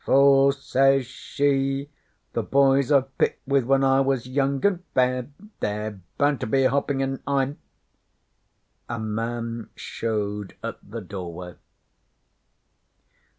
'For,' says she, 'The boys I've picked with when I was young and fair, They're bound to be at hoppin', and I'm ' A man showed at the doorway.